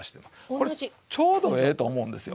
これちょうどええと思うんですよ。